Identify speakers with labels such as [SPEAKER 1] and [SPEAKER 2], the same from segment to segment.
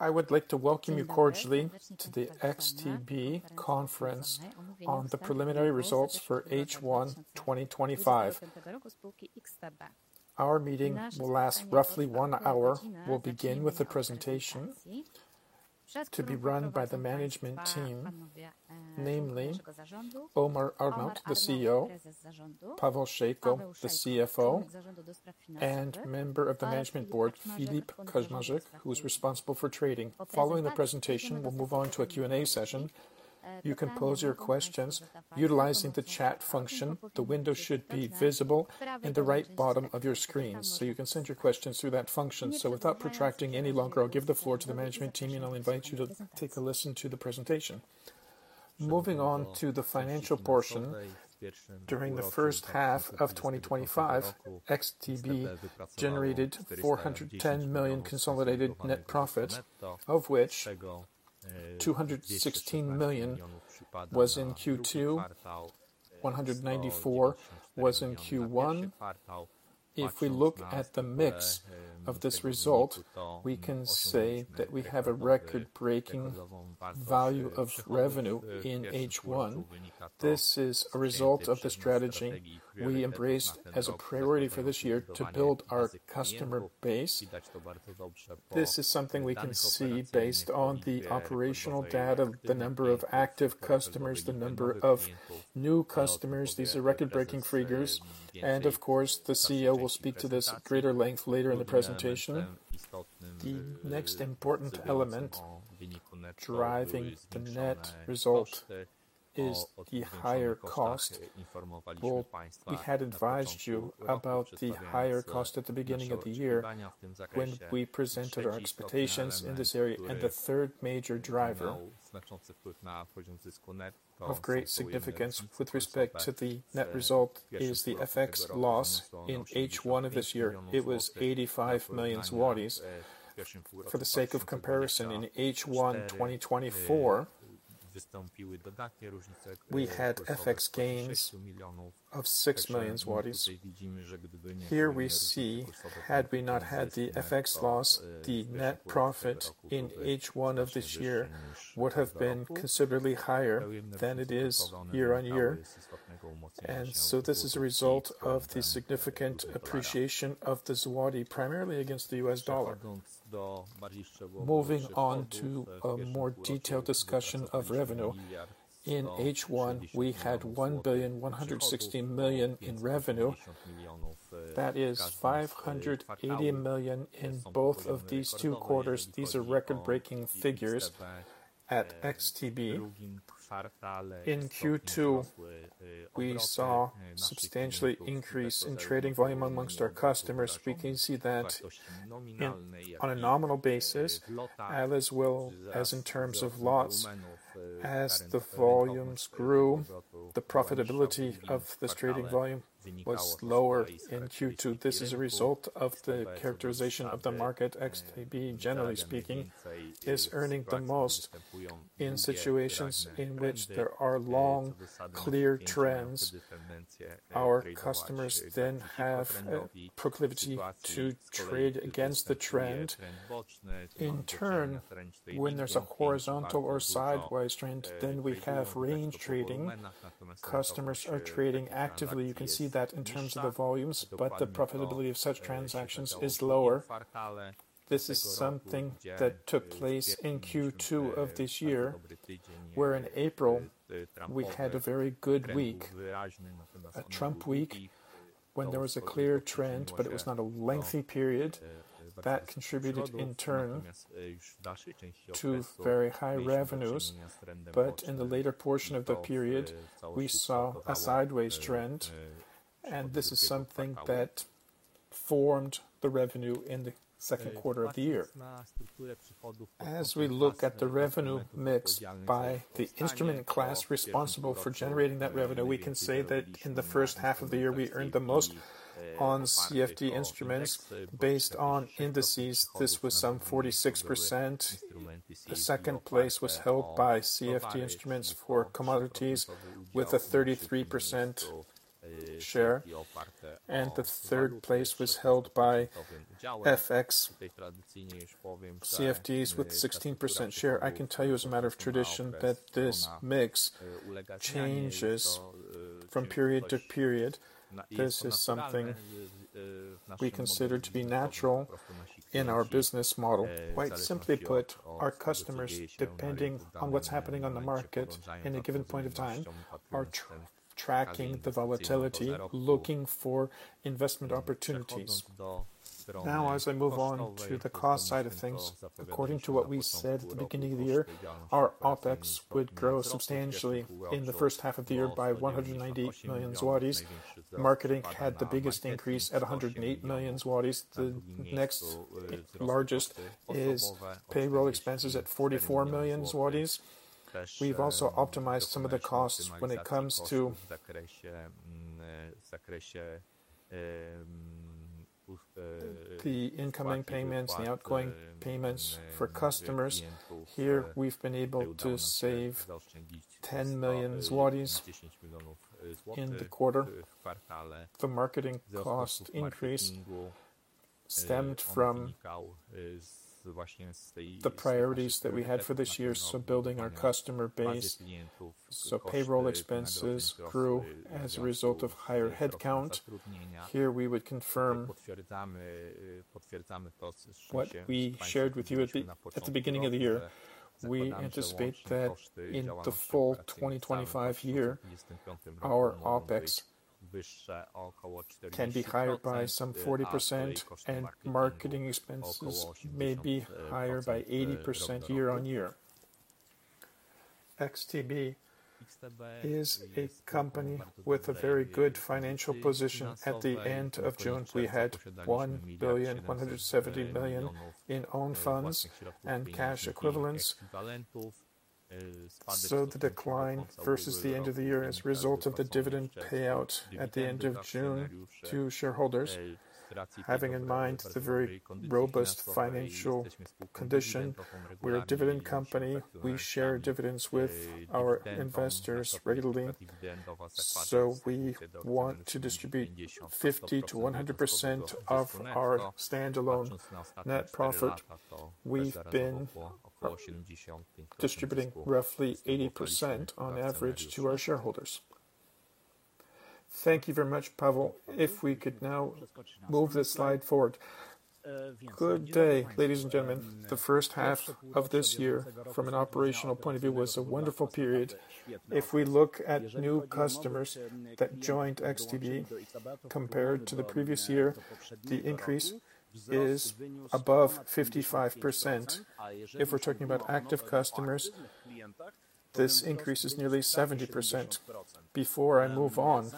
[SPEAKER 1] I would like to welcome you cordially to the XTB conference on the preliminary results for H1 2025. Our meeting will last roughly one hour. We'll begin with a presentation to be run by the management team, namely Omar Arnaout, the CEO, Paweł Szejko, the CFO, and member of the management board, Filip Kaczmarzyk, who is responsible for trading. Following the presentation, we'll move on to a Q&A session. You can pose your questions utilizing the chat function. The window should be visible in the right bottom of your screen. You can send your questions through that function. Without protracting any longer, I'll give the floor to the management team, and I'll invite you to take a listen to the presentation.
[SPEAKER 2] Moving on to the financial portion. During the first half of 2025, XTB generated 410 million consolidated net profit, of which 216 million was in Q2, 194 was in Q1. If we look at the mix of this result, we can say that we have a record-breaking value of revenue in H1. This is a result of the strategy we embraced as a priority for this year to build our customer base. This is something we can see based on the operational data, the number of active customers, the number of new customers. These are record-breaking figures, and of course, the CEO will speak to this at greater length later in the presentation. The next important element driving the net result is the higher cost. Well, we had advised you about the higher cost at the beginning of the year when we presented our expectations in this area, the third major driver of great significance with respect to the net result is the FX loss in H1 of this year. It was 85 million zlotys. For the sake of comparison, in H1 2024, we had FX gains of six million PLN. Here we see had we not had the FX loss, the net profit in H1 of this year would have been considerably higher than it is year-on-year. This is a result of the significant appreciation of the złoty, primarily against the US dollar. Moving on to a more detailed discussion of revenue. In H1, we had 1,116 million in revenue. That is 580 million in both of these two quarters. These are record-breaking figures at XTB. In Q2, we saw a substantial increase in trading volume amongst our customers. We can see that on a nominal basis, as well as in terms of loss, as the volumes grew, the profitability of this trading volume was lower in Q2. This is a result of the characterization of the market. XTB, generally speaking, is earning the most in situations in which there's long, clear trends. Our customers then have a proclivity to trade against the trend. In turn, when there's a horizontal or sideways trend, then we have range trading. Customers are trading actively. You can see that in terms of the volumes, but the profitability of such transactions is lower. This is something that took place in Q2 of this year, where in April we had a very good week, a Trump week, when there was a clear trend, but it was not a lengthy period. That contributed in turn to very high revenues. In the later portion of the period, we saw a sideways trend, this is something that formed the revenue in the second quarter of the year. As we look at the revenue mix by the instrument class responsible for generating that revenue, we can say that in the first half of the year, we earned the most on CFD instruments based on indices. This was some 46%. The second place was held by CFD instruments for commodities with a 33% share, the third place was held by FX CFDs with a 16% share. I can tell you as a matter of tradition that this mix changes from period to period. This is something we consider to be natural in our business model. Quite simply put, our customers, depending on what's happening on the market in a given point of time, are tracking the volatility, looking for investment opportunities. As I move on to the cost side of things, according to what we said at the beginning of the year, our OPEX would grow substantially in the first half of the year by 190 million zlotys. Marketing had the biggest increase at 108 million zlotys. The next largest is payroll expenses at 44 million zlotys. We've also optimized some of the costs when it comes to the incoming payments and the outgoing payments for customers. Here, we've been able to save 10 million zlotys in the quarter. The marketing cost increased stemmed from the priorities that we had for this year, so building our customer base. Payroll expenses grew as a result of higher headcount. Here we would confirm what we shared with you at the beginning of the year. We anticipate that in the full 2025, our OPEX can be higher by some 40%, marketing expenses may be higher by 80% year-on-year. XTB is a company with a very good financial position. At the end of June, we had 1,170,000,000 in own funds and cash equivalents. The decline versus the end of the year is a result of the dividend payout at the end of June to shareholders. Having in mind the very robust financial condition, we're a dividend company. We share dividends with our investors regularly. We want to distribute 50%-100% of our standalone net profit. We've been distributing roughly 80% on average to our shareholders.
[SPEAKER 3] Thank you very much, Paweł. If we could now move this slide forward. Good day, ladies and gentlemen. The first half of this year, from an operational point of view, was a wonderful period. If we look at new customers that joined XTB compared to the previous year, the increase is above 55%. If we're talking about active customers, this increase is nearly 70%. Before I move on,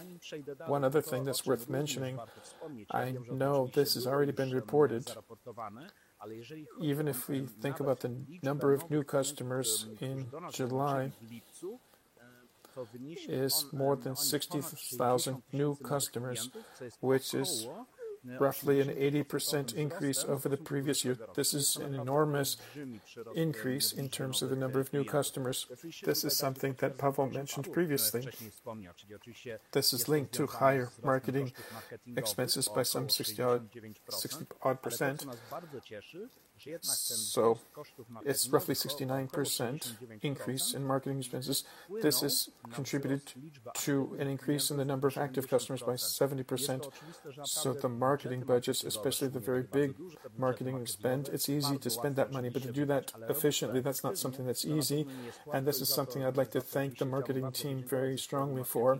[SPEAKER 3] one other thing that's worth mentioning, I know this has already been reported. Even if we think about the number of new customers in July, is more than 60,000 new customers, which is roughly an 80% increase over the previous year. This is an enormous increase in terms of the number of new customers. This is something that Paweł mentioned previously. This is linked to higher marketing expenses by some 60-odd%. It's roughly 69% increase in marketing expenses. This has contributed to an increase in the number of active customers by 70%. The marketing budgets, especially the very big marketing spend, it's easy to spend that money, but to do that efficiently, that's not something that's easy. This is something I'd like to thank the marketing team very strongly for,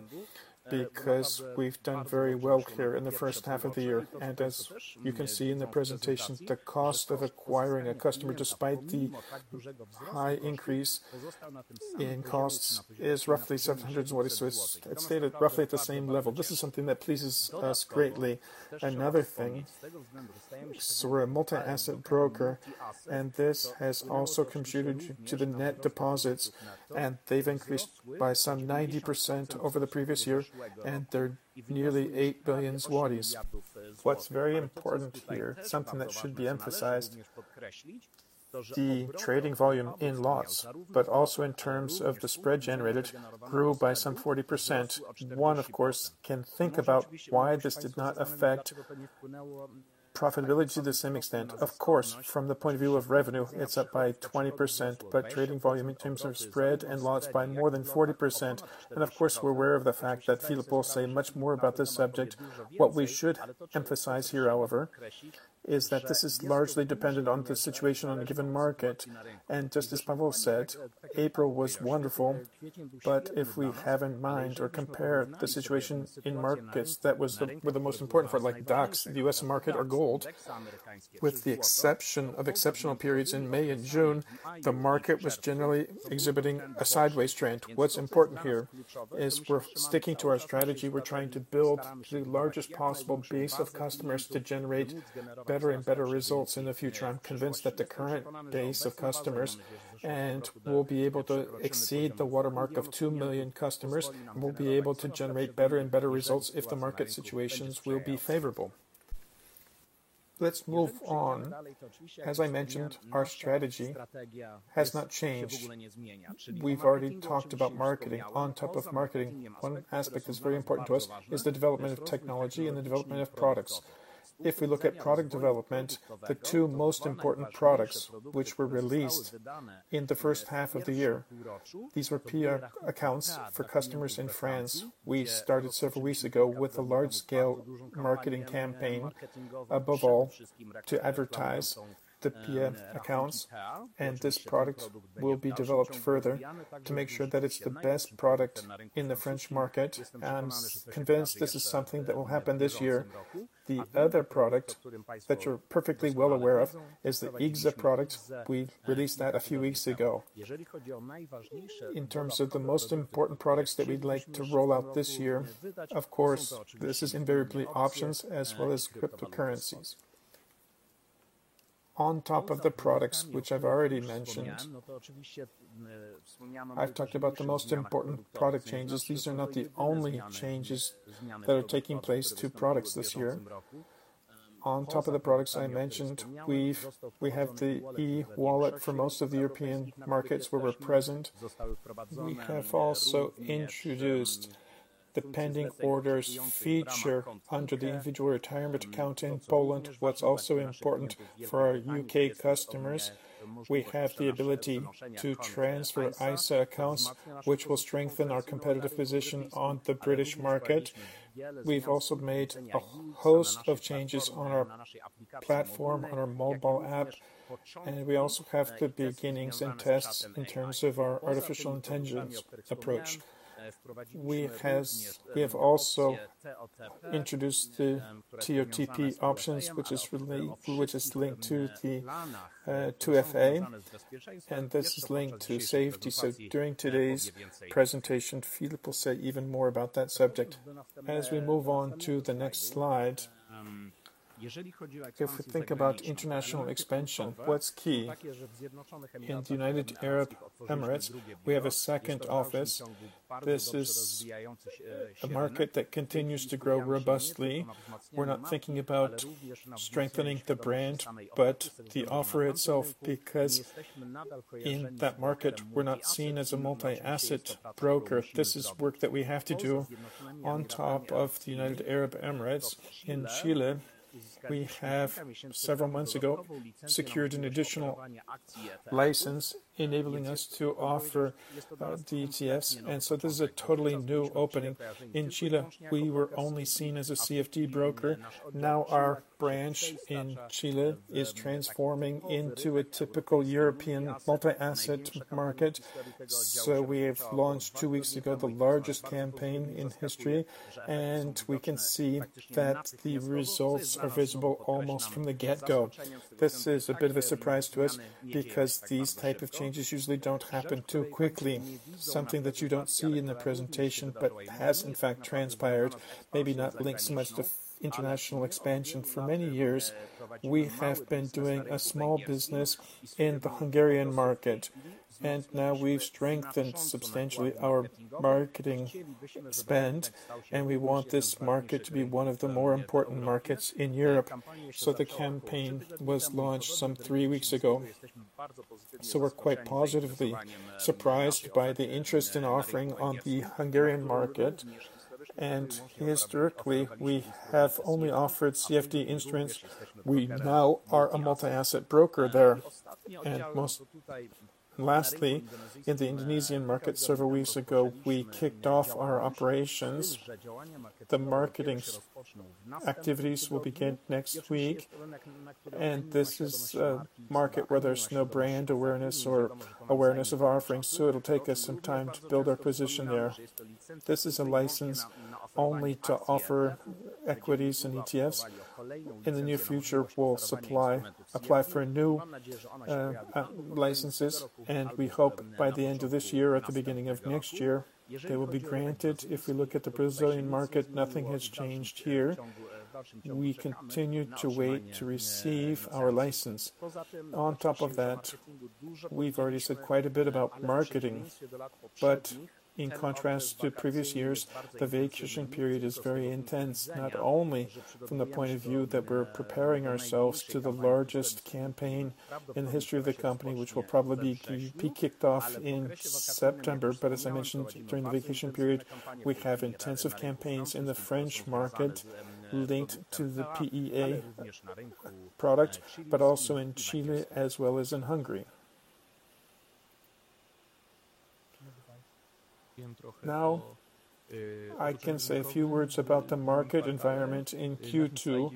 [SPEAKER 3] because we've done very well here in the first half of the year. As you can see in the presentation, the cost of acquiring a customer, despite the high increase in costs, is roughly 700. It's stayed at roughly the same level. This is something that pleases us greatly. Another thing, we're a multi-asset broker, and this has also contributed to the net deposits, and they've increased by some 90% over the previous year, and they're nearly 8 billion zlotys. What's very important here, something that should be emphasized, the trading volume in lots, but also in terms of the spread generated, grew by some 40%.4 One, of course, can think about why this did not affect profitability to the same extent. Of course, from the point of view of revenue, it's up by 20%, but trading volume in terms of spread and lots by more than 40%. Of course, we're aware of the fact that Filip will say much more about this subject. What we should emphasize here, however, is that this is largely dependent on the situation on a given market. Just as Paweł said, April was wonderful. If we have in mind or compare the situation in markets that were the most important for like DAX, the U.S. market or gold, with the exception of exceptional periods in May and June, the market was generally exhibiting a sideways trend. What's important here is we're sticking to our strategy. We're trying to build the largest possible base of customers to generate better and better results in the future. I'm convinced that the current base of customers, and we'll be able to exceed the watermark of 2 million customers, and we'll be able to generate better and better results if the market situations will be favorable. Let's move on. As I mentioned, our strategy has not changed. We've already talked about marketing. On top of marketing, one aspect that's very important to us is the development of technology and the development of products. If we look at product development, the two most important products which were released in the first half of the year, these were PEA accounts for customers in France. We started several weeks ago with a large-scale marketing campaign, above all, to advertise the PEA accounts. This product will be developed further to make sure that it's the best product in the French market. I'm convinced this is something that will happen this year. The other product that you're perfectly well aware of is the xStation product. We released that a few weeks ago. In terms of the most important products that we'd like to roll out this year, of course, this is invariably options as well as cryptocurrencies. On top of the products, which I've already mentioned, I've talked about the most important product changes. These are not the only changes that are taking place to products this year. On top of the products I mentioned, we have the eWallet for most of the European markets where we're present. We have also introduced the pending orders feature under the Individual Retirement Account in Poland. What's also important for our U.K. customers, we have the ability to transfer ISA accounts, which will strengthen our competitive position on the British market. We've also made a host of changes on our platform, on our mobile app, and we also have the beginnings and tests in terms of our artificial intelligence approach. We have also introduced the TOTP options, which is linked to the 2FA, and this is linked to safety. During today's presentation, Filip will say even more about that subject. If we think about international expansion, what's key? In the United Arab Emirates, we have a second office. This is a market that continues to grow robustly. We're not thinking about strengthening the brand, but the offer itself, because in that market, we're not seen as a multi-asset broker. This is work that we have to do on top of the United Arab Emirates. In Chile, we have several months ago, secured an additional license enabling us to offer ETFs, and this is a totally new opening. In Chile, we were only seen as a CFD broker. Now our branch in Chile is transforming into a typical European multi-asset market. We've launched two weeks ago, the largest campaign in history, and we can see that the results are visible almost from the get-go. This is a bit of a surprise to us because these type of changes usually don't happen too quickly. Something that you don't see in the presentation, but has in fact transpired, maybe not linked so much to international expansion. For many years, we have been doing a small business in the Hungarian market, now we've strengthened substantially our marketing spend, and we want this market to be one of the more important markets in Europe. The campaign was launched some three weeks ago, we're quite positively surprised by the interest in offering on the Hungarian market. Historically, we have only offered CFD instruments. We now are a multi-asset broker there. Most lastly, in the Indonesian market, several weeks ago, we kicked off our operations. The marketing activities will begin next week, and this is a market where there's no brand awareness or awareness of our offerings, so it'll take us some time to build our position there. This is a license only to offer equities and ETFs. In the near future, we'll apply for new licenses, we hope by the end of this year or the beginning of next year, they will be granted. If we look at the Brazilian market, nothing has changed here. We continue to wait to receive our license. On top of that, we've already said quite a bit about marketing, in contrast to previous years, the vacation period is very intense, not only from the point of view that we're preparing ourselves to the largest campaign in the history of the company, which will probably be kicked off in September. As I mentioned, during the vacation period, we have intensive campaigns in the French market linked to the PEA product, also in Chile as well as in Hungary.
[SPEAKER 4] Now, I can say a few words about the market environment in Q2.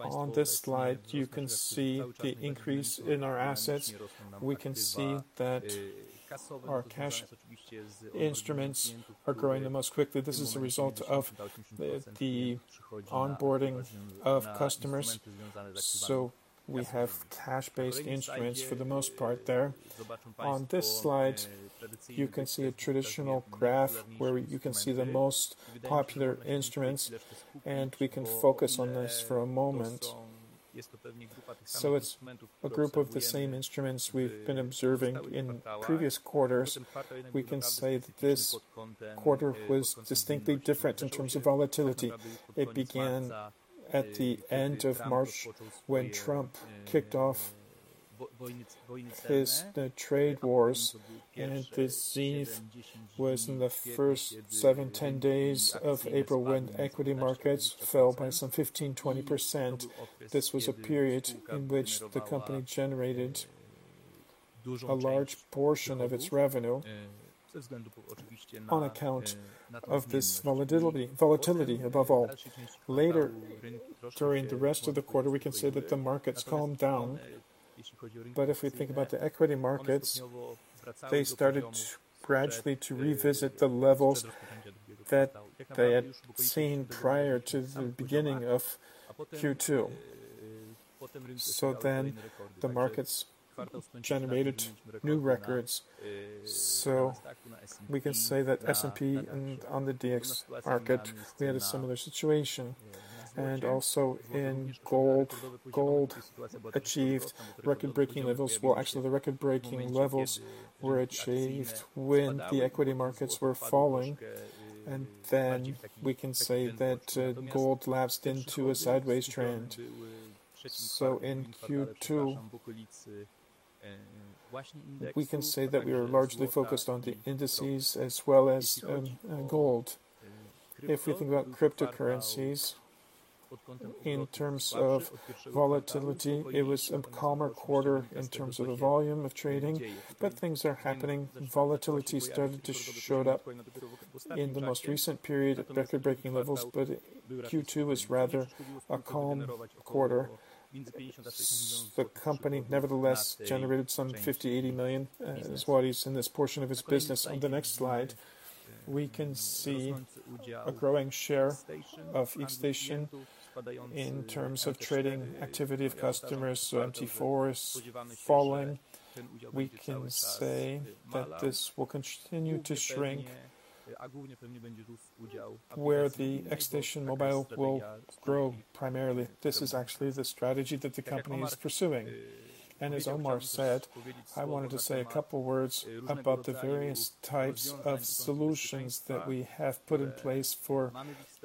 [SPEAKER 4] On this slide, you can see the increase in our assets. We can see that our cash instruments are growing the most quickly. This is a result of the onboarding of customers, so we have cash-based instruments for the most part there. On this slide, you can see a traditional graph where you can see the most popular instruments. We can focus on this for a moment. It's a group of the same instruments we've been observing in previous quarters. We can say that this quarter was distinctly different in terms of volatility. It began at the end of March when Trump kicked off his trade wars. The zenith was in the first seven, 10 days of April when equity markets fell by some 15%-20%. This was a period in which the company generated a large portion of its revenue on account of this volatility, above all. Later, during the rest of the quarter, we can say that the markets calmed down. If we think about the equity markets, they started gradually to revisit the levels that they had seen prior to the beginning of Q2. The markets generated new records. We can say that S&P on the DAX market, we had a similar situation. Also in gold achieved record-breaking levels. Well, actually, the record-breaking levels were achieved when the equity markets were falling. We can say that gold lapsed into a sideways trend. In Q2, we can say that we are largely focused on the indices as well as gold. If we think about cryptocurrencies in terms of volatility, it was a calmer quarter in terms of the volume of trading, but things are happening. Volatility started to show up in the most recent period at record-breaking levels, but Q2 was rather a calm quarter. The company, nevertheless, generated some $50 million-$80 million in this portion of its business. On the next slide, we can see a growing share of xStation in terms of trading activity of customers. MT4 is falling. We can say that this will continue to shrink, where the xStation Mobile will grow primarily. This is actually the strategy that the company is pursuing. As Omar said, I wanted to say a couple of words about the various types of solutions that we have put in place for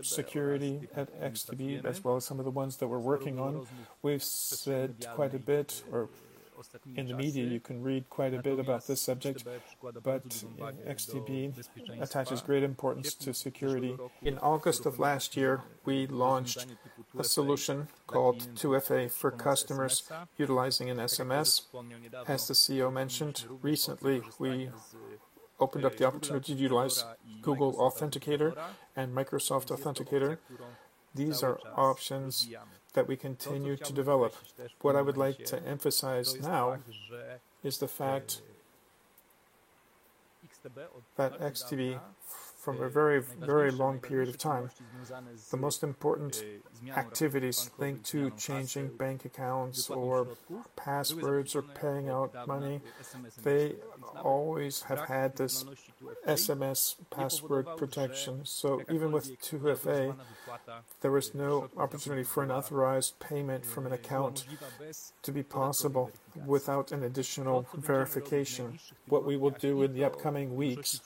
[SPEAKER 4] security at XTB, as well as some of the ones that we're working on. We've said quite a bit, or in the media you can read quite a bit about this subject. XTB attaches great importance to security. In August of last year, we launched a solution called 2FA for customers utilizing an SMS. As the CEO mentioned recently, we opened up the opportunity to utilize Google Authenticator and Microsoft Authenticator. These are options that we continue to develop. What I would like to emphasize now is the fact that XTB, from a very long period of time, the most important activities linked to changing bank accounts or passwords or paying out money, they always have had this SMS password protection. Even with 2FA, there was no opportunity for an authorized payment from an account to be possible without an additional verification. What we will do in the upcoming weeks,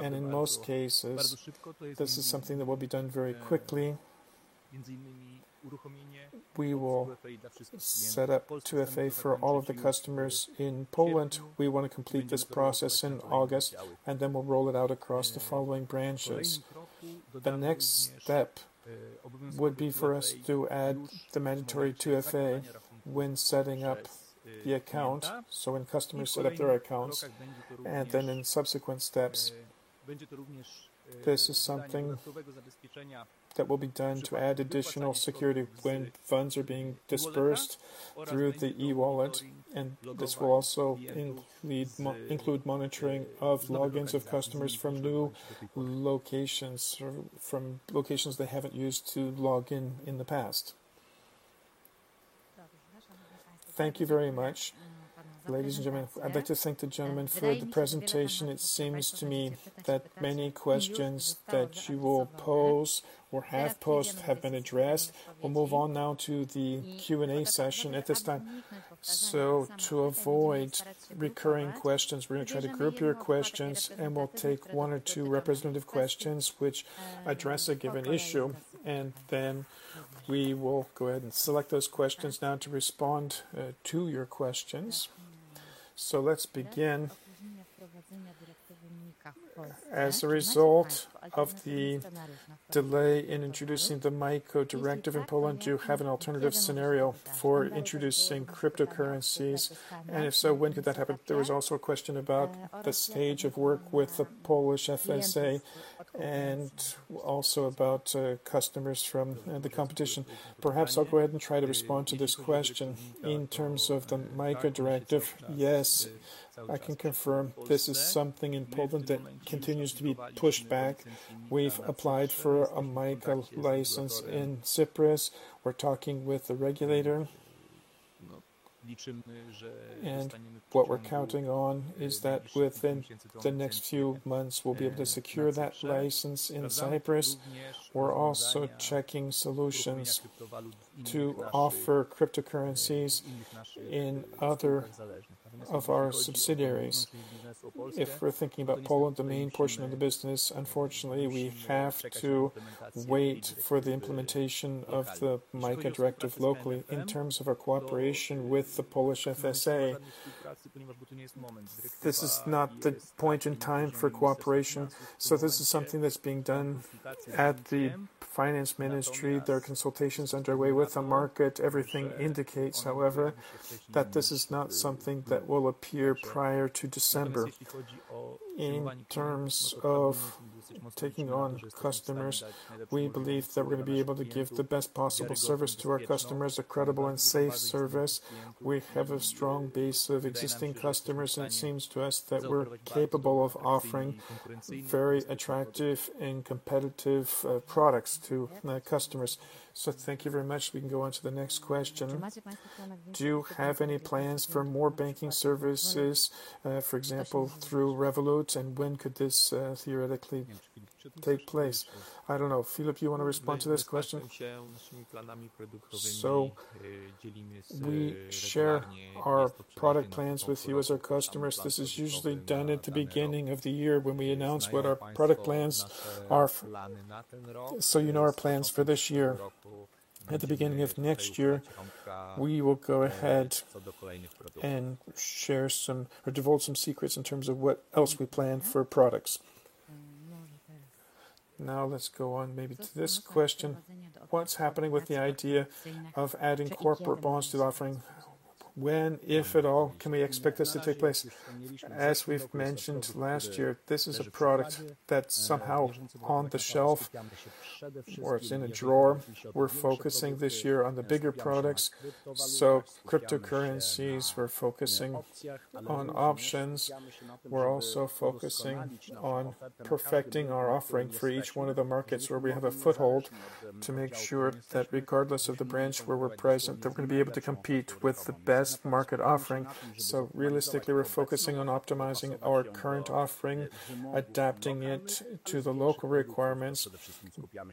[SPEAKER 4] in most cases, this is something that will be done very quickly. We will set up 2FA for all of the customers in Poland. We want to complete this process in August. Then we'll roll it out across the following branches. The next step would be for us to add the mandatory 2FA when setting up the account, so when customers set up their accounts. Then in subsequent steps, this is something that will be done to add additional security when funds are being disbursed through the eWallet. This will also include monitoring of logins of customers from new locations or from locations they haven't used to log in in the past.
[SPEAKER 1] Thank you very much. Ladies and gentlemen, I'd like to thank the gentleman for the presentation. It seems to me that many questions that you will pose or have posed have been addressed. We'll move on now to the Q&A session at this time. To avoid recurring questions, we're going to try to group your questions. We'll take one or two representative questions which address a given issue. Then we will go ahead and select those questions now to respond to your questions. Let's begin. As a result of the delay in introducing the MiCA directive in Poland, do you have an alternative scenario for introducing cryptocurrencies? If so, when could that happen? There was also a question about the stage of work with the Polish FSA and also about customers from the competition. Perhaps I'll go ahead and try to respond to this question.
[SPEAKER 3] In terms of the MiCA directive, yes, I can confirm this is something in Poland that continues to be pushed back. We've applied for a MiCA license in Cyprus. We're talking with the regulator. What we're counting on is that within the next few months, we'll be able to secure that license in Cyprus. We're also checking solutions to offer cryptocurrencies in other of our subsidiaries. If we're thinking about Poland, the main portion of the business, unfortunately, we have to wait for the implementation of the MiCA directive locally. In terms of our cooperation with the Polish FSA, this is not the point in time for cooperation. This is something that's being done at the Ministry of Finance. There are consultations underway with the market. Everything indicates, however, that this is not something that will appear prior to December.
[SPEAKER 1] In terms of taking on customers, we believe that we're going to be able to give the best possible service to our customers, a credible and safe service. We have a strong base of existing customers. It seems to us that we're capable of offering very attractive and competitive products to customers. Thank you very much. We can go on to the next question. Do you have any plans for more banking services, for example, through Revolut? When could this theoretically take place? I don't know. Filip, you want to respond to this question? We share our product plans with you as our customers. This is usually done at the beginning of the year when we announce what our product plans are, so you know our plans for this year.
[SPEAKER 4] At the beginning of next year, we will go ahead and share some or divulge some secrets in terms of what else we plan for products. Let's go on maybe to this question. What's happening with the idea of adding corporate bonds to the offering? When, if at all, can we expect this to take place? As we've mentioned last year, this is a product that's somehow on the shelf or it's in a drawer. We're focusing this year on the bigger products, so cryptocurrencies, we're focusing on options. We're also focusing on perfecting our offering for each one of the markets where we have a foothold to make sure that regardless of the branch where we're present, we're going to be able to compete with the best market offering.
[SPEAKER 3] Realistically, we're focusing on optimizing our current offering, adapting it to the local requirements,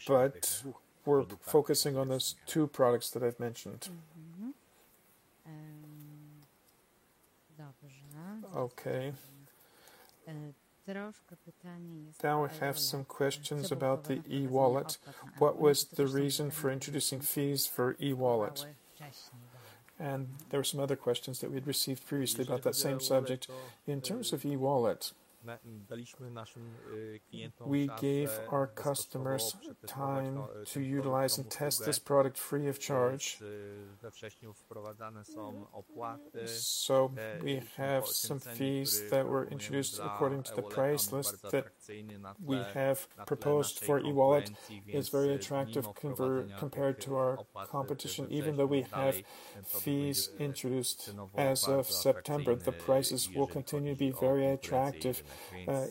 [SPEAKER 3] but we're focusing on those two products that I've mentioned. Okay. We have some questions about the eWallet. What was the reason for introducing fees for eWallet? There were some other questions that we'd received previously about that same subject. In terms of eWallet, we gave our customers time to utilize and test this product free of charge. We have some fees that were introduced according to the price list that we have proposed for eWallet is very attractive compared to our competition. Even though we have fees introduced as of September, the prices will continue to be very attractive,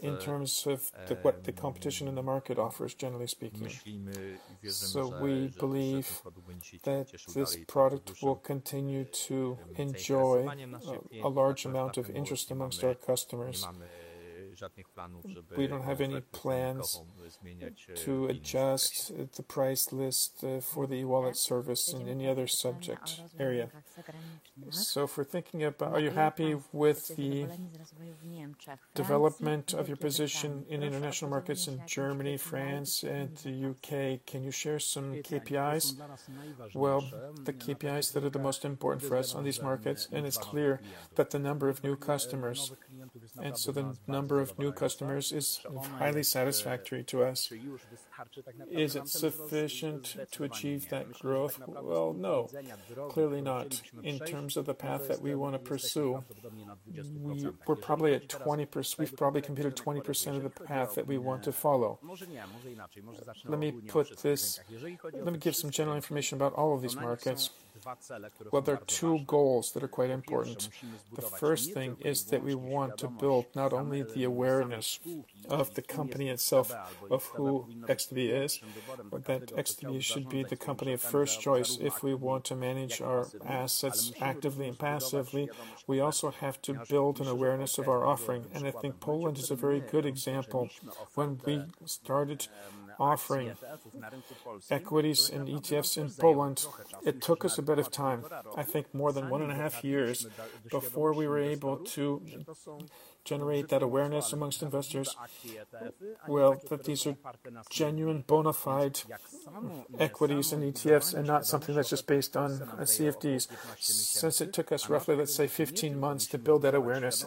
[SPEAKER 3] in terms of what the competition in the market offers, generally speaking. We believe that this product will continue to enjoy a large amount of interest amongst our customers. We don't have any plans to adjust the price list for the eWallet service in any other subject area. Are you happy with the development of your position in international markets in Germany, France, and the U.K.? Can you share some KPIs? Well, the KPIs that are the most important for us on these markets, it's clear that the number of new customers is highly satisfactory to us. Is it sufficient to achieve that growth? Well, no, clearly not. In terms of the path that we want to pursue, we've probably completed 20% of the path that we want to follow. Let me give some general information about all of these markets. Well, there are two goals that are quite important.
[SPEAKER 1] The first thing is that we want to build not only the awareness of the company itself, of who XTB is, but that XTB should be the company of first choice if we want to manage our assets actively and passively. We also have to build an awareness of our offering. I think Poland is a very good example. When we started offering equities and ETFs in Poland, it took us a bit of time, I think more than one and a half years, before we were able to generate that awareness amongst investors. Well, that these are genuine, bonafide equities and ETFs and not something that's just based on CFDs. Since it took us roughly, let's say, 15 months to build that awareness,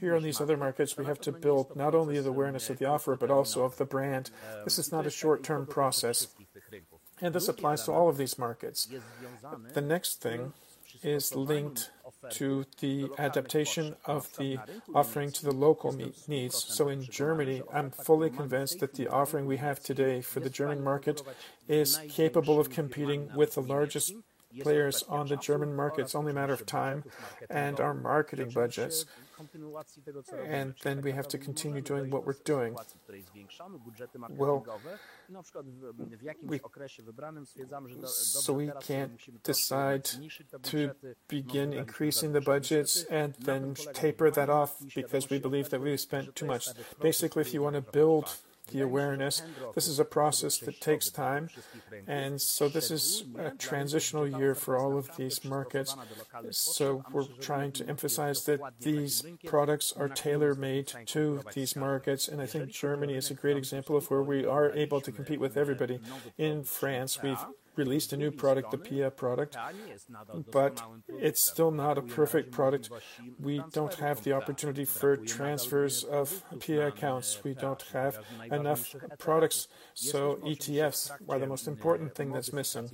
[SPEAKER 1] here on these other markets, we have to build not only the awareness of the offer but also of the brand. This is not a short-term process. This applies to all of these markets. The next thing is linked to the adaptation of the offering to the local needs. In Germany, I'm fully convinced that the offering we have today for the German market is capable of competing with the largest players on the German markets. It's only a matter of time and our marketing budgets. We have to continue doing what we're doing. We can't decide to begin increasing the budgets and then taper that off because we believe that we've spent too much. If you want to build the awareness, this is a process that takes time. This is a transitional year for all of these markets. We're trying to emphasize that these products are tailor-made to these markets. I think Germany is a great example of where we are able to compete with everybody. In France, we've released a new product, the PE product, but it's still not a perfect product. We don't have the opportunity for transfers of PE accounts. We don't have enough products. ETFs are the most important thing that's missing.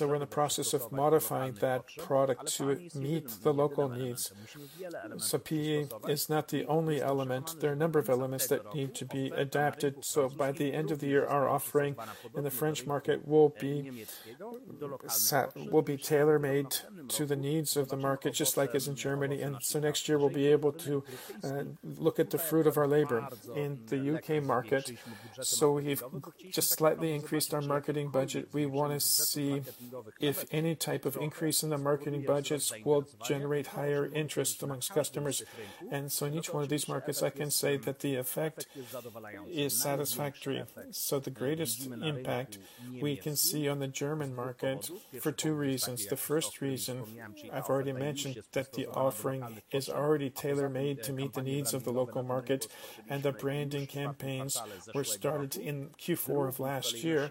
[SPEAKER 1] We're in the process of modifying that product to meet the local needs. PE is not the only element. There are a number of elements that need to be adapted. By the end of the year, our offering in the French market will be tailor-made to the needs of the market, just like it is in Germany. Next year we'll be able to look at the fruit of our labor. In the U.K. market, we've just slightly increased our marketing budget. We want to see if any type of increase in the marketing budget will generate higher interest amongst customers. In each one of these markets, I can say that the effect is satisfactory. The greatest impact we can see on the German market for two reasons. The first reason, I've already mentioned that the offering is already tailor-made to meet the needs of the local market and the branding campaigns were started in Q4 of last year.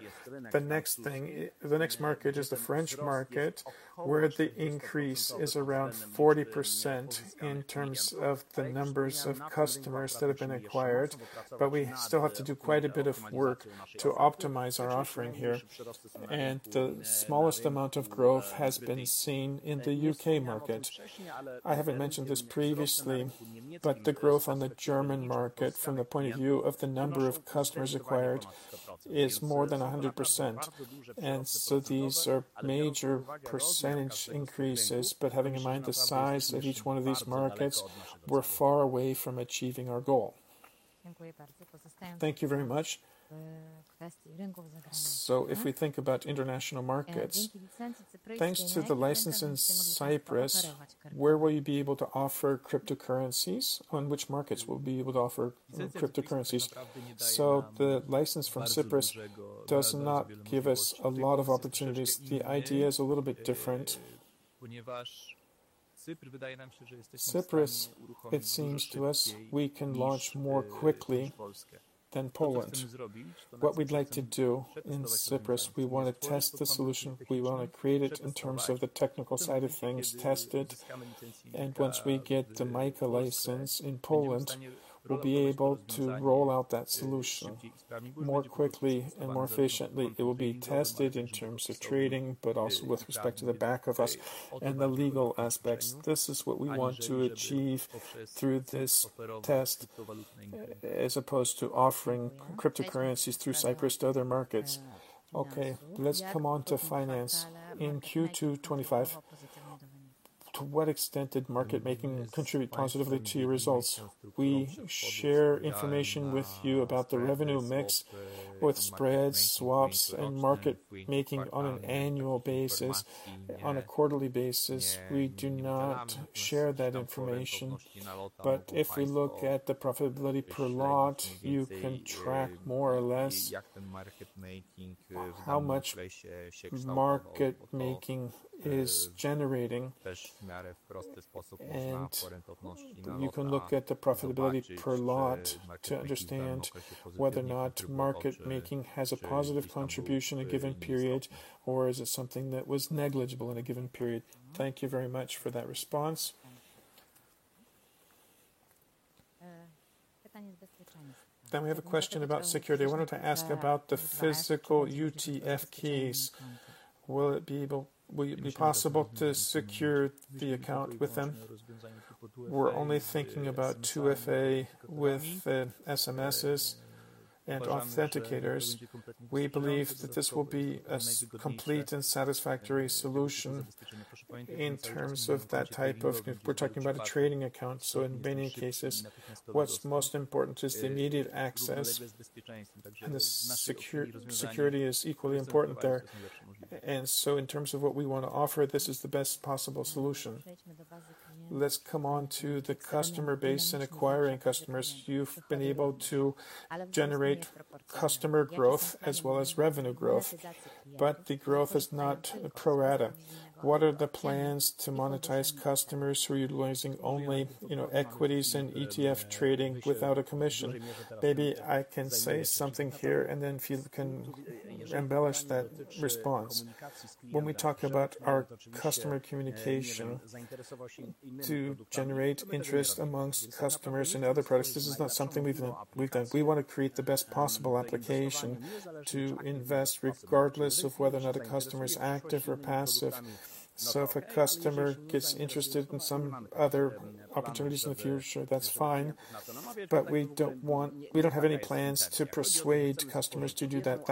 [SPEAKER 1] The next market is the French market, where the increase is around 40% in terms of the numbers of customers that have been acquired, but we still have to do quite a bit of work to optimize our offering here. The smallest amount of growth has been seen in the U.K. market. I haven't mentioned this previously, but the growth on the German market from the point of view of the number of customers acquired is more than 100%. These are major percentage increases, but having in mind the size of each one of these markets, we're far away from achieving our goal. Thank you very much. If we think about international markets, thanks to the license in Cyprus, where will you be able to offer cryptocurrencies? On which markets we'll be able to offer cryptocurrencies? The license from Cyprus does not give us a lot of opportunities. The idea is a little bit different. Cyprus, it seems to us, we can launch more quickly than Poland. What we'd like to do in Cyprus, we want to test the solution. We want to create it in terms of the technical side of things, test it. Once we get the MiCA license in Poland, we'll be able to roll out that solution more quickly and more efficiently. It will be tested in terms of trading, but also with respect to the back office and the legal aspects. This is what we want to achieve through this test as opposed to offering cryptocurrencies through Cyprus to other markets. Let's come on to finance. In Q2 2025, to what extent did market making contribute positively to your results? We share information with you about the revenue mix with spreads, swaps, and market making on an annual basis. On a quarterly basis, we do not share that information.
[SPEAKER 4] If we look at the profitability per lot, you can track more or less how much market making is generating. You can look at the profitability per lot to understand whether or not market making has a positive contribution in a given period, or is it something that was negligible in a given period. Thank you very much for that response. We have a question about security. I wanted to ask about the physical U2F keys. Will it be possible to secure the account with them? We're only thinking about 2FA with SMSs and authenticators. We believe that this will be a complete and satisfactory solution. If we're talking about a trading account, in many cases, what's most important is the immediate access, and the security is equally important there. In terms of what we want to offer, this is the best possible solution.
[SPEAKER 1] Let's come on to the customer base and acquiring customers. You've been able to generate customer growth as well as revenue growth, but the growth is not pro rata. What are the plans to monetize customers who are utilizing only equities and ETF trading without a commission? Maybe I can say something here. Filip can embellish that response. When we talk about our customer communication to generate interest amongst customers in other products, this is not something we've done. We want to create the best possible application to invest, regardless of whether or not a customer is active or passive. If a customer gets interested in some other opportunities in the future, that's fine, but we don't have any plans to persuade customers to do that.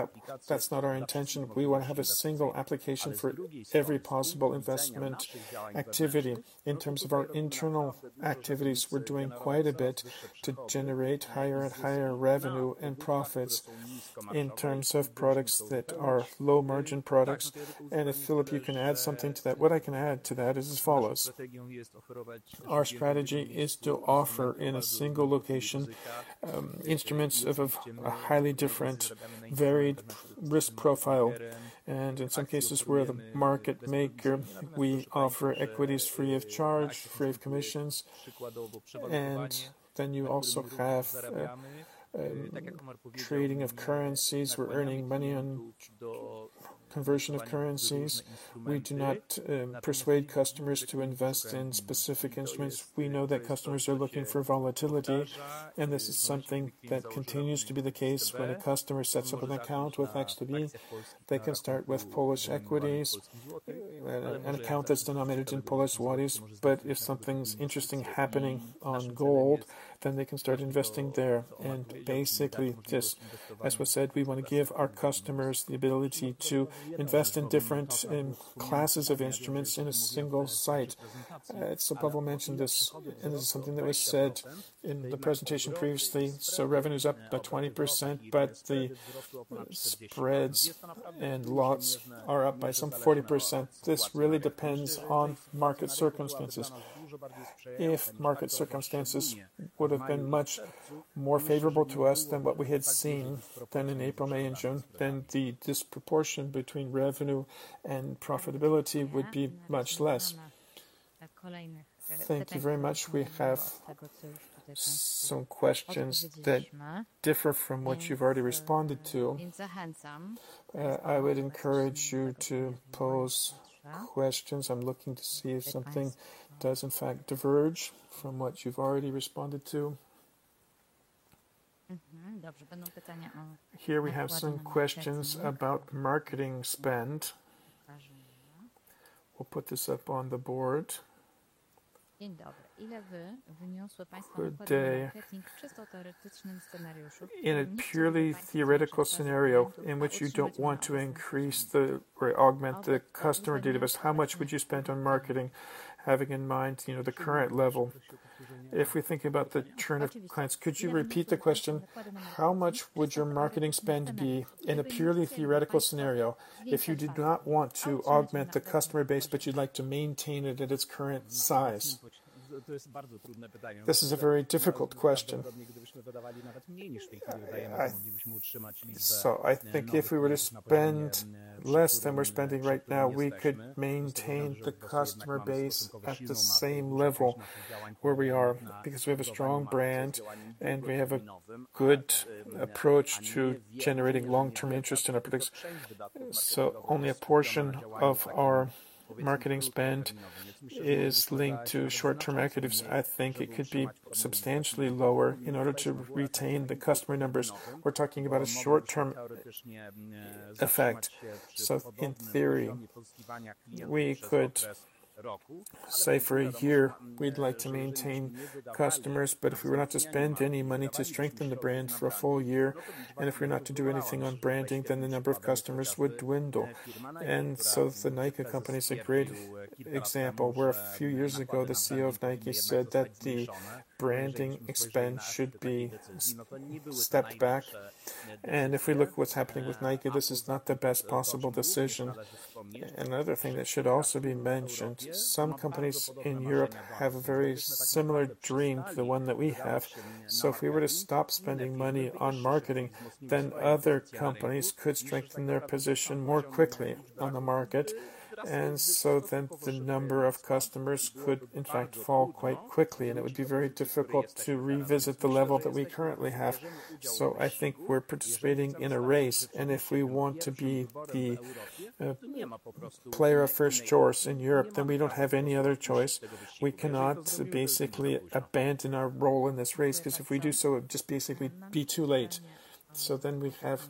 [SPEAKER 1] That's not our intention.
[SPEAKER 3] We want to have a single application for every possible investment activity. In terms of our internal activities, we're doing quite a bit to generate higher and higher revenue and profits in terms of products that are low-margin products. If, Filip, you can add something to that. What I can add to that is as follows. Our strategy is to offer in a single location, instruments of a highly different, varied risk profile. In some cases, we're the market maker. We offer equities free of charge, free of commissions. You also have trading of currencies. We're earning money on conversion of currencies. We do not persuade customers to invest in specific instruments.
[SPEAKER 4] We know that customers are looking for volatility, this is something that continues to be the case when a customer sets up an account with XTB, they can start with Polish equities, an account that's denominated in Polish złoty, if something's interesting happening on gold, they can start investing there. Basically, just as was said, we want to give our customers the ability to invest in different classes of instruments in a single site. Paweł mentioned this, and this is something that we said in the presentation previously. Revenue's up by 20%, but the spreads and lots are up by some 40%. This really depends on market circumstances. If market circumstances would have been much more favorable to us than what we had seen than in April, May, and June, then the disproportion between revenue and profitability would be much less.
[SPEAKER 1] Thank you very much. We have some questions that differ from what you've already responded to. I would encourage you to pose questions. I'm looking to see if something does in fact diverge from what you've already responded to. Here we have some questions about marketing spend. We'll put this up on the board. Per day. In a purely theoretical scenario in which you don't want to increase or augment the customer database, how much would you spend on marketing, having in mind the current level? If we think about the churn of clients, could you repeat the question? How much would your marketing spend be in a purely theoretical scenario if you did not want to augment the customer base, but you'd like to maintain it at its current size? This is a very difficult question.
[SPEAKER 3] I think if we were to spend less than we're spending right now, we could maintain the customer base at the same level where we are because we have a strong brand, and we have a good approach to generating long-term interest in our products. Only a portion of our marketing spend is linked to short-term equities. I think it could be substantially lower in order to retain the customer numbers. We're talking about a short-term effect. In theory, we could say for a year, we'd like to maintain customers, but if we were not to spend any money to strengthen the brand for a full year, and if we're not to do anything on branding, then the number of customers would dwindle. The Nike company is a great example, where a few years ago, the CEO of Nike said that the branding expense should be stepped back. If we look at what's happening with Nike, this is not the best possible decision. Another thing that should also be mentioned, some companies in Europe have a very similar dream to the one that we have. If we were to stop spending money on marketing, then other companies could strengthen their position more quickly on the market. Then the number of customers could, in fact, fall quite quickly, and it would be very difficult to revisit the level that we currently have. I think we're participating in a race, and if we want to be the player of first choice in Europe, then we don't have any other choice.
[SPEAKER 1] We cannot basically abandon our role in this race, because if we do so, it'd just basically be too late. We have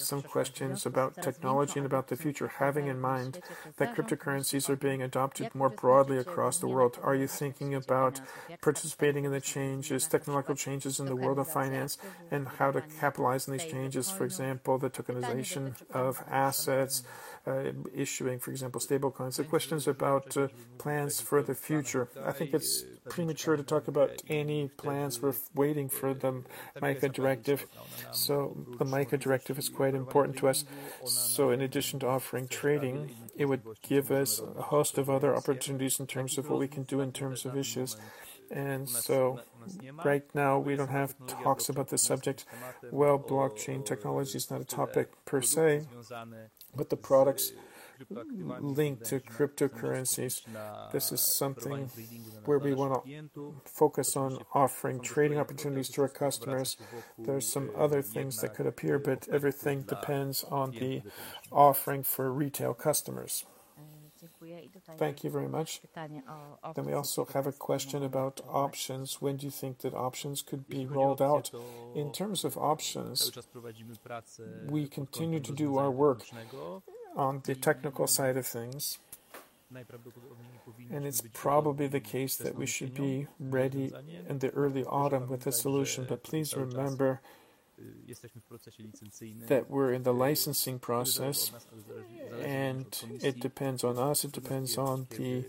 [SPEAKER 1] some questions about technology and about the future. Having in mind that cryptocurrencies are being adopted more broadly across the world, are you thinking about participating in the technological changes in the world of finance and how to capitalize on these changes? For example, the tokenization of assets, issuing, for example, stablecoins. Questions about plans for the future. I think it's premature to talk about any plans. We're waiting for the MiCA directive. The MiCA directive is quite important to us. In addition to offering trading, it would give us a host of other opportunities in terms of what we can do in terms of issues. Right now, we don't have talks about the subject.
[SPEAKER 3] Well, blockchain technology is not a topic per se, but the products linked to cryptocurrencies, this is something where we want to focus on offering trading opportunities to our customers. There are some other things that could appear, but everything depends on the offering for retail customers.
[SPEAKER 1] Thank you very much. We also have a question about options. When do you think that options could be rolled out?
[SPEAKER 3] In terms of options, we continue to do our work on the technical side of things, and it's probably the case that we should be ready in the early autumn with a solution. Please remember that we're in the licensing process, and it depends on us. It depends on the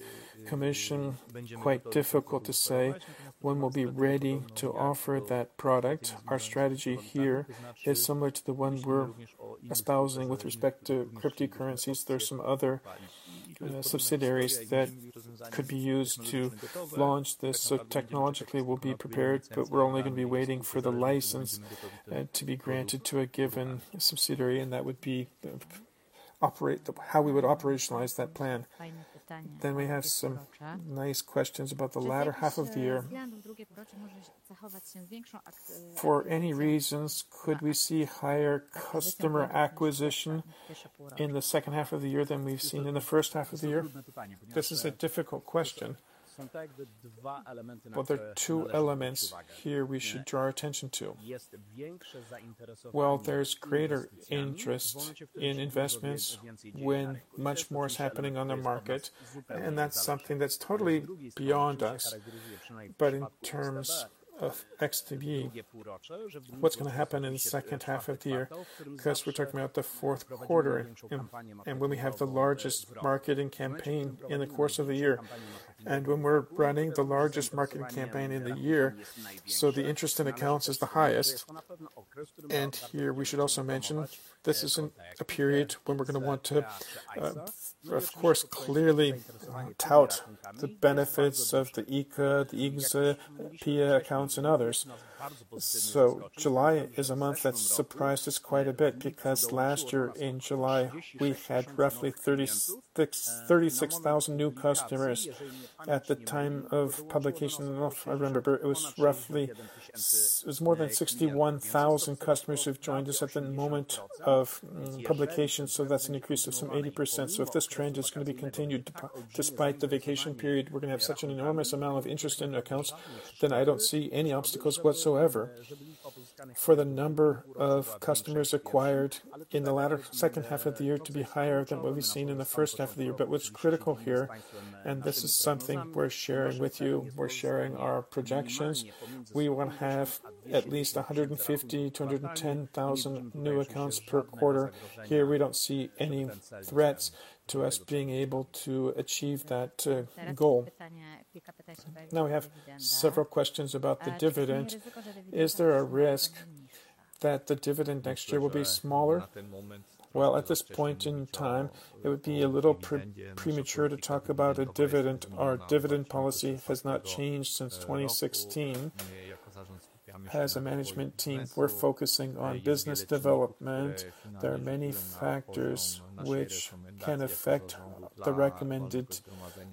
[SPEAKER 3] commission. Quite difficult to say when we'll be ready to offer that product. Our strategy here is similar to the one we're espousing with respect to cryptocurrencies. There are some other subsidiaries that could be used to launch this. Technologically, we'll be prepared, but we're only going to be waiting for the license to be granted to a given subsidiary, and that would be how we would operationalize that plan. We have some nice questions about the latter half of the year. For any reasons, could we see higher customer acquisition in the second half of the year than we've seen in the first half of the year? This is a difficult question. Well, there are two elements here we should draw attention to. Well, there's greater interest in investments when much more is happening on the market, and that's something that's totally beyond us. In terms of XTB, what's going to happen in the second half of the year, because we're talking about the fourth quarter and when we have the largest marketing campaign in the course of the year and when we're running the largest marketing campaign in the year, the interest in accounts is the highest. Here we should also mention this is a period when we're going to want to, of course, clearly tout the benefits of the IKE, the IKZE accounts, and others. July is a month that surprised us quite a bit because last year in July, we had roughly 36,000 new customers. At the time of publication, I remember it was more than 61,000 customers who've joined us at the moment of publication, that's an increase of some 80%. If this trend is going to be continued despite the vacation period, we're going to have such an enormous amount of interest in accounts, then I don't see any obstacles whatsoever for the number of customers acquired in the latter second half of the year to be higher than what we've seen in the first half of the year. What's critical here, and this is something we're sharing with you, we're sharing our projections. We want to have at least 150,000 to 210,000 new accounts per quarter. Here, we don't see any threats to us being able to achieve that goal. We have several questions about the dividend. Is there a risk that the dividend next year will be smaller? At this point in time, it would be a little premature to talk about a dividend. Our dividend policy has not changed since 2016.
[SPEAKER 1] As a management team, we're focusing on business development. There are many factors which can affect the recommended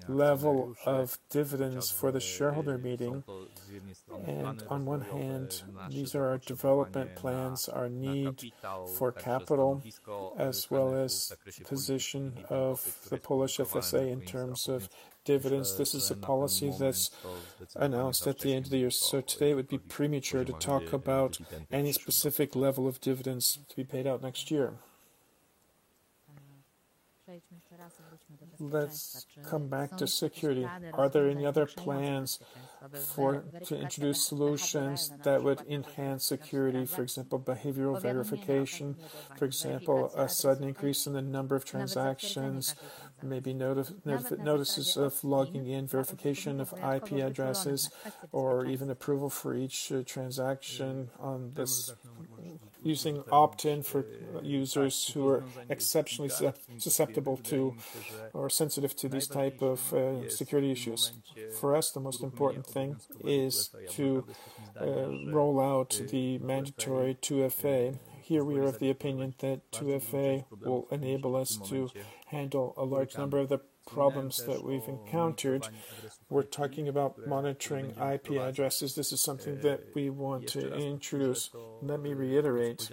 [SPEAKER 1] level of dividends for the shareholder meeting, and on one hand, these are our development plans, our need for capital, as well as position of the Polish FSA in terms of dividends. This is a policy that's announced at the end of the year. Today it would be premature to talk about any specific level of dividends to be paid out next year. Let's come back to security. Are there any other plans to introduce solutions that would enhance security, for example, behavioral verification, for example, a sudden increase in the number of transactions, maybe notices of logging in, verification of IP addresses, or even approval for each transaction on this, using opt-in for users who are exceptionally susceptible to or sensitive to these type of security issues?
[SPEAKER 4] For us, the most important thing is to roll out the mandatory 2FA. Here we are of the opinion that 2FA will enable us to handle a large number of the problems that we've encountered. We're talking about monitoring IP addresses. This is something that we want to introduce. Let me reiterate.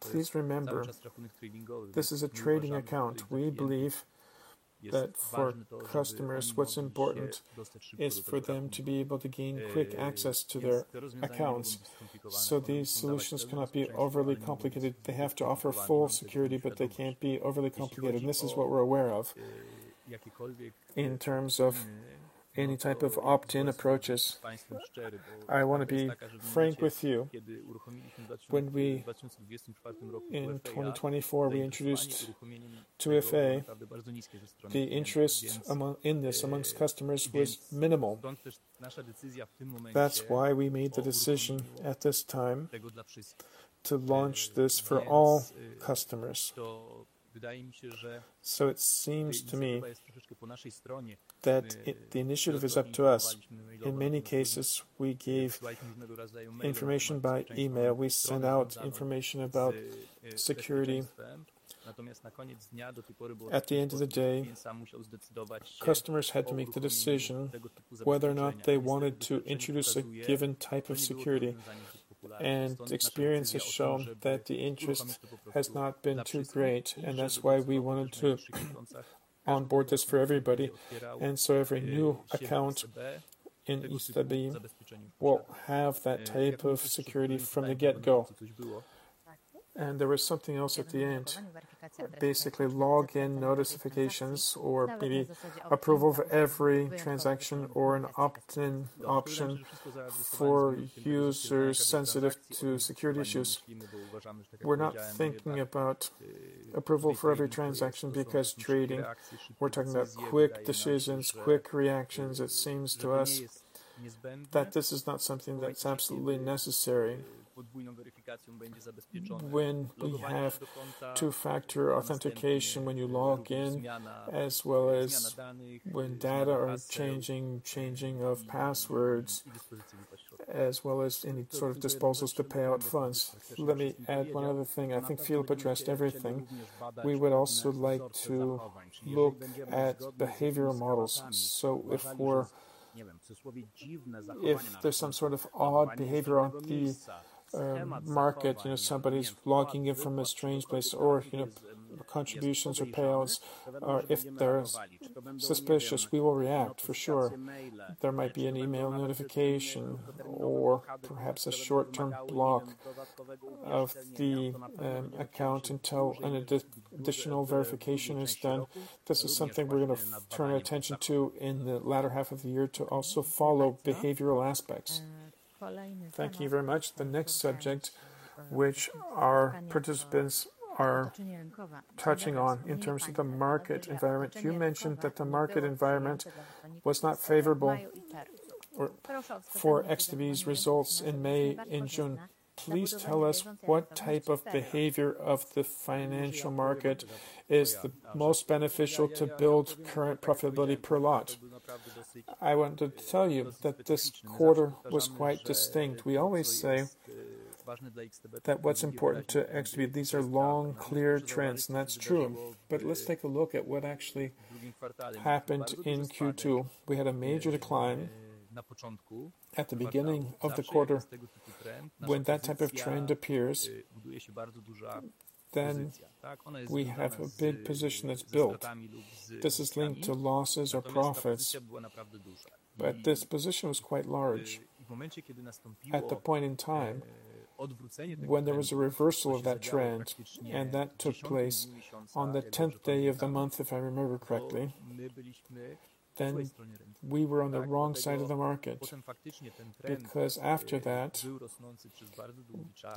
[SPEAKER 4] Please remember, this is a trading account. We believe that for customers, what's important is for them to be able to gain quick access to their accounts, so these solutions cannot be overly complicated. They have to offer full security, but they can't be overly complicated, and this is what we're aware of. In terms of any type of opt-in approaches, I want to be frank with you. When we, in 2024, introduced 2FA, the interest in this amongst customers was minimal. That's why we made the decision at this time to launch this for all customers. It seems to me that the initiative is up to us. In many cases, we gave information by email. We sent out information about security. At the end of the day, customers had to make the decision whether or not they wanted to introduce a given type of security, and experience has shown that the interest has not been too great, and that's why we wanted to onboard this for everybody. Every new account in XTB will have that type of security from the get-go. There was something else at the end. Basically, login notifications or maybe approval for every transaction or an opt-in option for users sensitive to security issues. We're not thinking about approval for every transaction because trading, we're talking about quick decisions, quick reactions.
[SPEAKER 3] It seems to us that this is not something that's absolutely necessary when we have two-factor authentication, when you log in, as well as when data are changing of passwords, as well as any sort of disposals to pay out funds. Let me add one other thing. I think Filip addressed everything. We would also like to look at behavioral models. If there's some sort of odd behavior on the market, somebody's logging in from a strange place or contributions or payouts, or if they're suspicious, we will react for sure. There might be an email notification or perhaps a short-term block of the account until an additional verification is done. This is something we're going to turn our attention to in the latter half of the year to also follow behavioral aspects. Thank you very much.
[SPEAKER 1] The next subject, which our participants are touching on in terms of the market environment. You mentioned that the market environment was not favorable for XTB's results in May and June. Please tell us what type of behavior of the financial market is the most beneficial to build current profitability per lot. I want to tell you that this quarter was quite distinct. We always say that what's important to XTB, these are long, clear trends, and that's true, but let's take a look at what actually happened in Q2. We had a major decline at the beginning of the quarter. When that type of trend appears, then we have a big position that's built. This is linked to losses or profits, but this position was quite large.
[SPEAKER 4] At the point in time when there was a reversal of that trend, and that took place on the 10th day of the month, if I remember correctly, then we were on the wrong side of the market because after that,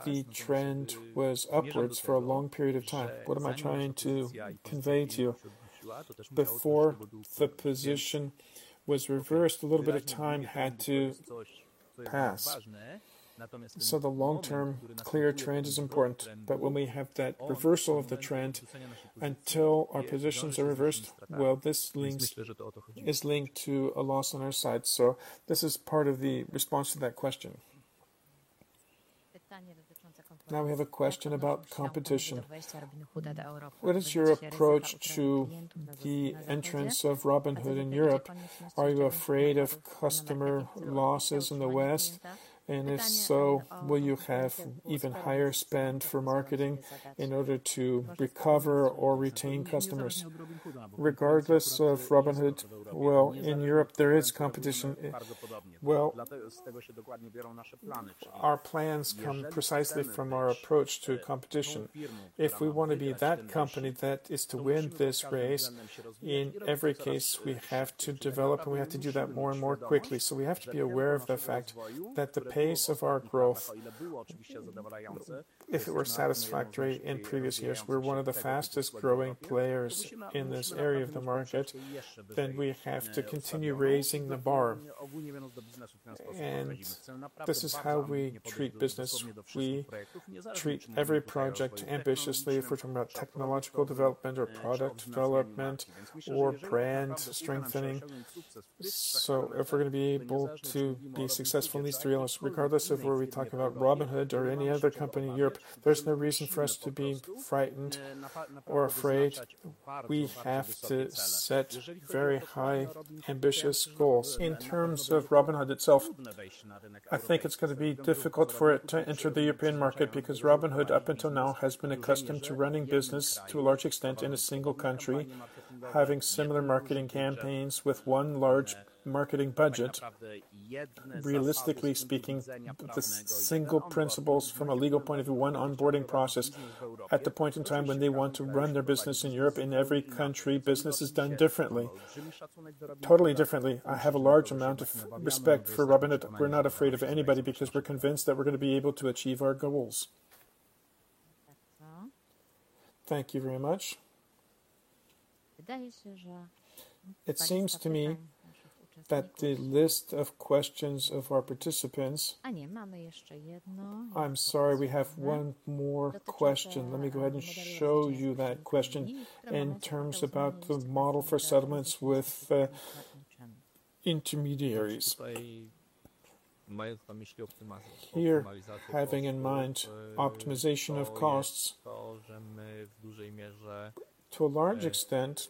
[SPEAKER 4] the trend was upwards for a long period of time. What am I trying to convey to you? Before the position was reversed, a little bit of time had to pass. The long-term clear trend is important, but when we have that reversal of the trend until our positions are reversed, well, this is linked to a loss on our side. This is part of the response to that question. Now we have a question about competition. What is your approach to the entrance of Robinhood in Europe? Are you afraid of customer losses in the West?
[SPEAKER 3] If so, will you have even higher spend for marketing in order to recover or retain customers? Regardless of Robinhood, in Europe there is competition. Our plans come precisely from our approach to competition. If we want to be that company that is to win this race, in every case, we have to develop, and we have to do that more and more quickly. We have to be aware of the fact that the pace of our growth, if it were satisfactory in previous years, we're one of the fastest-growing players in this area of the market, then we have to continue raising the bar, and this is how we treat business. We treat every project ambitiously, if we're talking about technological development or product development or brand strengthening. If we're going to be able to be successful in these three elements, regardless of whether we talk about Robinhood or any other company in Europe, there's no reason for us to be frightened or afraid. We have to set very high, ambitious goals. In terms of Robinhood itself, I think it's going to be difficult for it to enter the European market because Robinhood up until now has been accustomed to running business to a large extent in a single country, having similar marketing campaigns with one large marketing budget. Realistically speaking, the single principles from a legal point of view, one onboarding process at the point in time when they want to run their business in Europe, in every country, business is done differently, totally differently. I have a large amount of respect for Robinhood.
[SPEAKER 1] We're not afraid of anybody because we're convinced that we're going to be able to achieve our goals. Thank you very much. It seems to me that the list of questions of our participants I'm sorry, we have one more question. Let me go ahead and show you that question in terms about the model for settlements with intermediaries. Here, having in mind optimization of costs, to a large extent,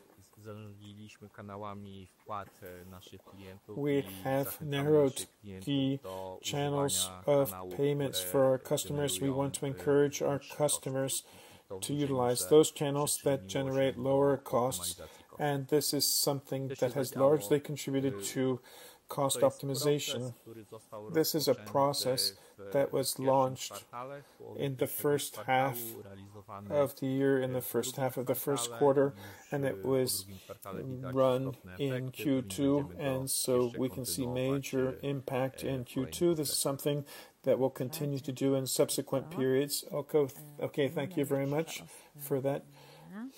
[SPEAKER 1] we have narrowed the channels of payments for our customers. We want to encourage our customers to utilize those channels that generate lower costs, and this is something that has largely contributed to cost optimization. This is a process that was launched in the first half of the year, in the first half of the first quarter, and it was run in Q2. We can see major impact in Q2. This is something that we'll continue to do in subsequent periods. Okay. Thank you very much for that.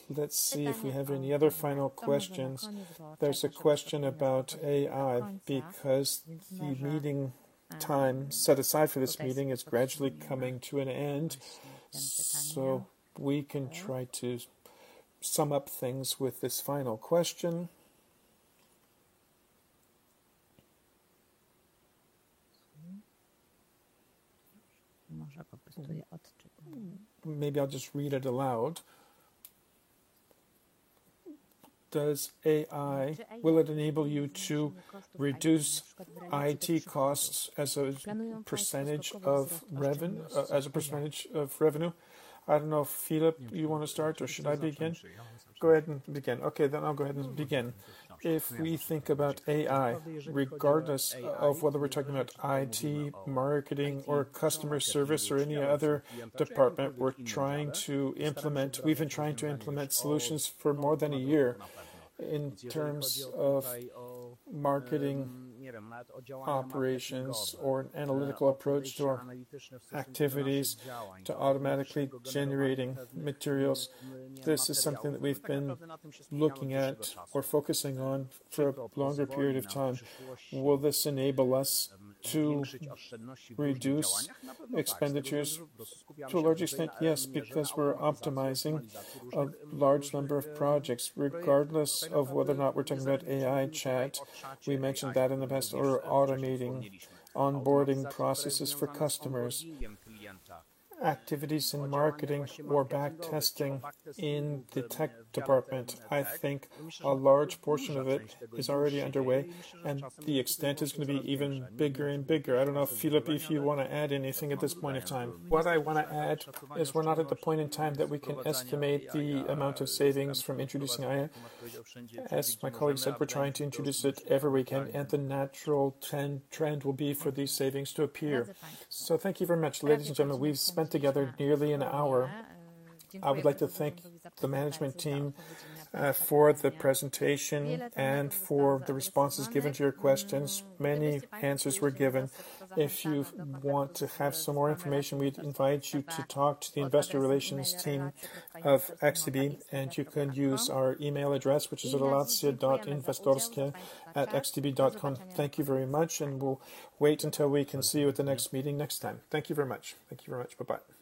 [SPEAKER 1] Let's see if we have any other final questions. There's a question about AI, because the meeting time set aside for this meeting is gradually coming to an end, we can try to sum up things with this final question. Maybe I'll just read it aloud. Will it enable you to reduce IT costs as a percentage of revenue? I don't know if, Filip, you want to start, or should I begin? Go ahead and begin. I'll go ahead and begin.
[SPEAKER 3] If we think about AI, regardless of whether we're talking about IT, marketing or customer service or any other department, we've been trying to implement solutions for more than a year in terms of marketing operations or an analytical approach to our activities to automatically generating materials. This is something that we've been looking at or focusing on for a longer period of time. Will this enable us to reduce expenditures to a large extent? Yes, because we're optimizing a large number of projects, regardless of whether or not we're talking about AI chat, we mentioned that in the past, or automating onboarding processes for customers, activities in marketing or backtesting in the tech department. I think a large portion of it is already underway, and the extent is going to be even bigger and bigger. I don't know, Filip, if you want to add anything at this point in time.
[SPEAKER 4] What I want to add is we're not at the point in time that we can estimate the amount of savings from introducing AI. As my colleague said, we're trying to introduce it wherever we can, and the natural trend will be for these savings to appear. Thank you very much. Ladies and gentlemen, we've spent together nearly an hour. I would like to thank the management team for the presentation and for the responses given to your questions. Many answers were given. If you want to have some more information, we'd invite you to talk to the investor relations team of XTB, and you can use our email address, which is investor.relations@xtb.com. Thank you very much, and we'll wait until we can see you at the next meeting next time.
[SPEAKER 3] Thank you very much. Thank you very much. Bye-bye